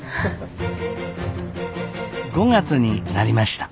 ５月になりました。